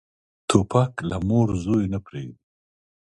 توپک له مور زوی نه پرېږدي.